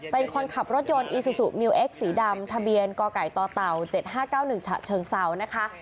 เป็นคนขับรถยนต์อีซูซูมิวเอ็กซ์สีดำทะเบียนกไก่ต่อเต่า๗๕๙๑ฉะเชิงเซานะคะ